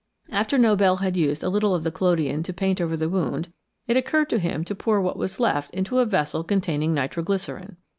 After Nobel had used a little of the collodion to paint over the wound, it occurred to him to pour what was left into a vessel containing nitro glycerine.